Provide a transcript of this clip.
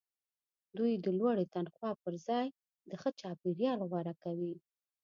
دوی د لوړې تنخوا پرځای د ښه چاپیریال غوره کوي